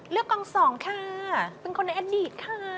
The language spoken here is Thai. เลือกกอง๒ค่ะเป็นคนในอดีตค่ะ